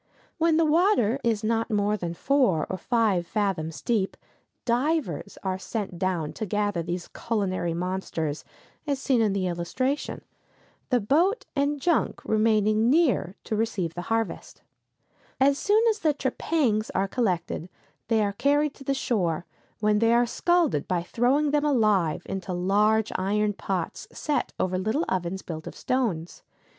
When the water is not more than four or five fathoms deep, divers are sent down to gather these culinary monsters, as seen in the illustration, the boat and junk remaining near to receive the harvest. [Illustration: THE PROCESS OF SCALDING.] As soon as the trepangs are collected they are carried to the shore, when they are scalded by throwing them alive into large iron pots set over little ovens built of stones.